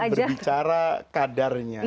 karena berbicara kadarnya